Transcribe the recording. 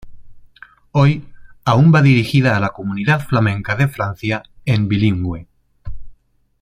Hoy aún va dirigida a la comunidad flamenca de Francia en bilingüe.